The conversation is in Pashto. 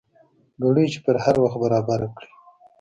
ګړۍ چې پر هر وخت برابر کړې.